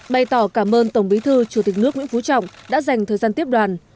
bày tỏ cảm ơn tổng bí thư chủ tịch nước nguyễn phú trọng đã dành thời gian tiếp đoàn